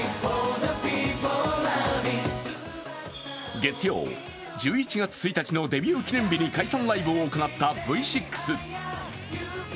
月曜、１１月１日のデビュー記念日に解散ライブを行ったＶ６。